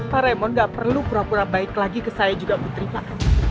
pak remond gak perlu pura pura baik lagi ke saya juga putri pak